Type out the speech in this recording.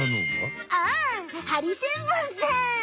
ああハリセンボンさん！